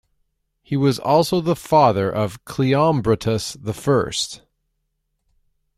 He was also the father of Cleombrotus the First.